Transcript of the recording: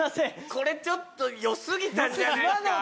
これちょっとよすぎたんじゃないっすか？